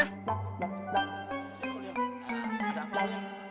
ya koliang tidak apa apa